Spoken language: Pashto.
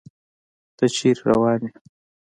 تۀ چېرته روان يې ؟